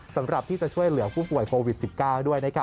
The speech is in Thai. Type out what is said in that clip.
สำหรับที่จะช่วยเหลือผู้ป่วยโควิด๑๙ด้วยนะครับ